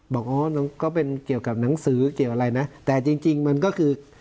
บอกอ๋อก็เป็นเกี่ยวกับหนังสือเกี่ยวอะไรนะแต่จริงมันก็คือ